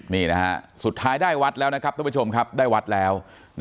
นี่นะฮะสุดท้ายได้วัดแล้วนะครับทุกผู้ชมครับได้วัดแล้ว